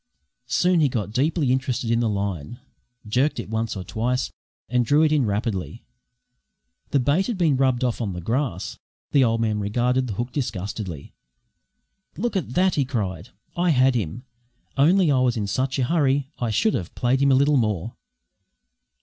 Soon he got deeply interested in the line, jerked it once or twice, and drew it in rapidly. The bait had been rubbed off in the grass. The old man regarded the hook disgustedly. "Look at that!" he cried. "I had him, only I was in such a hurry. I should ha' played him a little more."